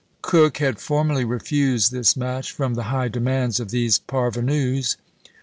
Coke had formerly refused this match from the high demands of these parvenus.